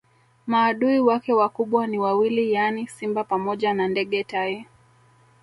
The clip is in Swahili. Maadui wake wakubwa ni wawili yaani simba pamoja na ndege tai